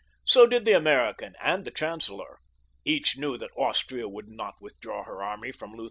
So did the American and the chancellor. Each knew that Austria would not withdraw her army from Lutha.